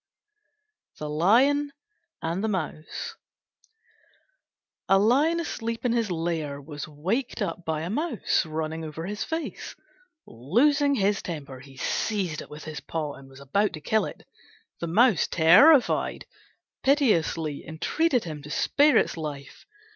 THE LION AND THE MOUSE A Lion asleep in his lair was waked up by a Mouse running over his face. Losing his temper he seized it with his paw and was about to kill it. The Mouse, terrified, piteously entreated him to spare its life.